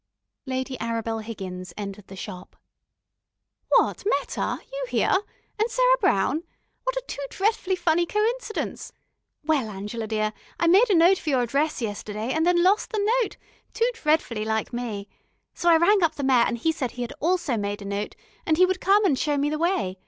Lady Arabel Higgins entered the shop. "What, Meta, you here? And Sarah Brown? What a too dretfully funny coincidence. Well, Angela dear, I made a note of your address yesterday, and then lost the note too dretfully like me. So I rang up the Mayor, and he said he also had made a note, and he would come and show me the way.